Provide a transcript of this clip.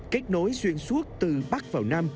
kết nối xuyên suốt từ bắc vào nam